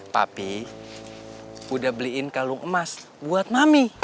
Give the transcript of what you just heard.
tapi udah beliin kalung emas buat mami